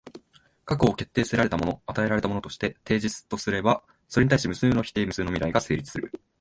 過去を決定せられたもの、与えられたものとしてテージスとすれば、それに対し無数の否定、無数の未来が成立する。